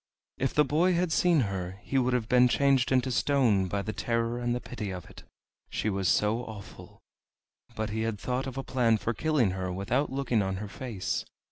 If the boy had seen her he would have been changed into stone by the terror and the pity of it, she was so awful; but he had thought of a plan for killing her without looking on her face.